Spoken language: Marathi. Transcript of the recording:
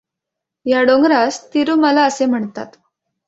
या डोंगरास तिरुमला असे म्हणतात.